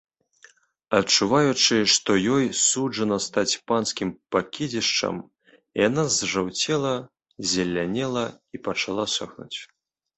Адчуваючы, што ёй суджана стаць панскім пакідзішчам, яна зжаўцела, ззелянела і пачала сохнуць.